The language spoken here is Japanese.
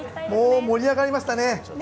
もう盛り上がりましたね。